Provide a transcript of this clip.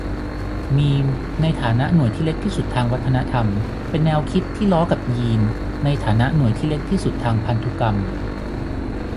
มีม ในฐานะหน่วยที่เล็กที่สุดทางวัฒนธรรม เป็นแนวคิดที่ล้อกับ ยีน ในฐานะหน่วยที่เล็กที่สุดทางพันธุกรรม